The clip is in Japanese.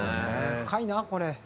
深いなこれ。